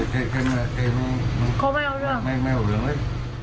เขาไม่เอาเรื่องเลย